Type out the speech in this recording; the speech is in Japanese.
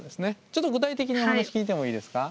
ちょっと具体的にお話聞いてもいいですか。